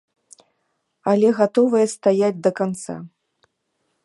Але гатовыя стаяць да канца.